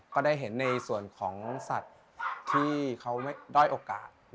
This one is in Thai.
ก็ได้เห็นในส่วนของสัตว์ที่เขาด้อยโอกาส